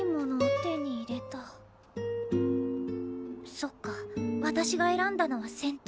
そっか私が選んだのは先頭糖。